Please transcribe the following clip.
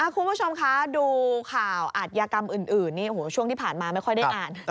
คุณผู้ชมคะดูข่าวอาทยากรรมอื่นช่วงที่ผ่านมาไม่ค่อยได้อ่าน